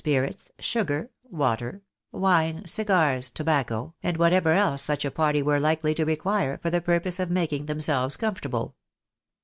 vrits, sugar, water, wine, cigars, tobacco, and whatever else such a party were likely to require for the purpose of making themselves comfortable.